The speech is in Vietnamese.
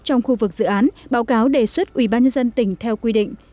trong khu vực dự án báo cáo đề xuất ủy ban nhân dân tỉnh theo quy định